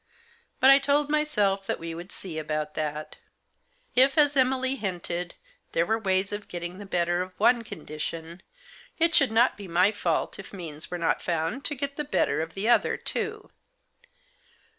But I told myself that we would see about that If, as Emily hinted, there were ways of getting the better of one condition, it should not be my fault if means were not found to get the better of the other too.